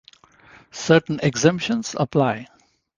Certain exemptions apply.